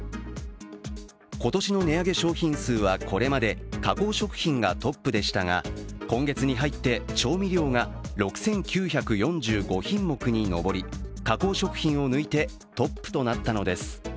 今年の値上げ商品数は、これまで加工食品がトップでしたが今月に入って、調味料が６９４５品目に上り加工食品を抜いてトップとなったのです。